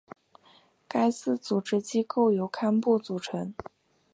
该寺组织机构由堪布组成。